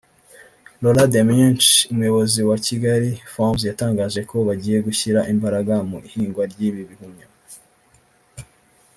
Laurent Demuynck umuyobozi wa Kigali Farms yatangaje ko bagiye gushyira imbaraga mu ihingwa ry'ibi bihumyo